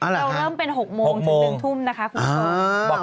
เราเริ่มเป็น๖โมงถึง๑ทุ่มนะคะคุณผู้ชม